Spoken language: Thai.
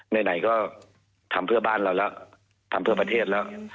ไหนก็ทำเพื่อบ้านเราแล้วทำเพื่อประเทศแล้ว